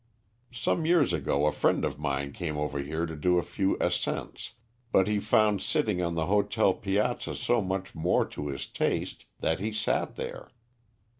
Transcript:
Some years ago a friend of mine came over here to do a few ascents, but he found sitting on the hotel piazza so much more to his taste that he sat there.